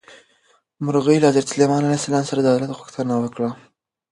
مرغۍ له حضرت سلیمان علیه السلام د عدالت غوښتنه وکړه.